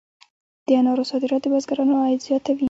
د انارو صادرات د بزګرانو عاید زیاتوي.